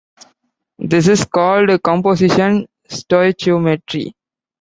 This is called "composition stoichiometry".